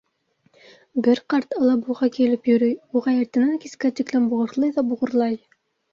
Бер ҡарт Алабуға килеп йөрөй уға —иртәнән кискә тиклем буғырлай ҙа буғырлай!